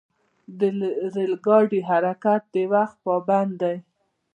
د ریل ګاډي حرکت د وخت پابند دی.